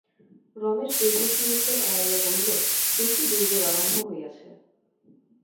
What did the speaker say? রমেশ এই প্রশ্নের উত্তর এড়াইয়া কহিল, এ কী দুর্যোগ আরম্ভ হইয়াছে!